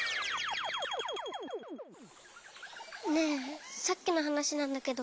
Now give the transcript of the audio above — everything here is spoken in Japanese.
ねえさっきのはなしなんだけど。